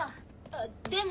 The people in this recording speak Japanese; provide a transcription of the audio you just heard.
あっでも。